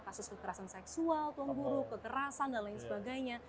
kekerasan dan lain sebagainya